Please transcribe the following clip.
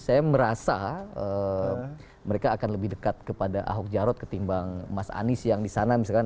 saya merasa mereka akan lebih dekat kepada ahok jarot ketimbang mas anies yang di sana misalkan